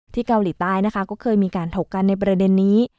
เกาหลีใต้นะคะก็เคยมีการถกกันในประเด็นนี้